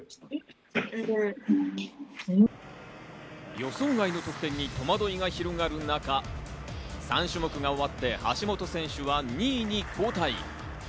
予想外の得点に戸惑いが広がる中、３種目が終わって橋本選手は２位に後退。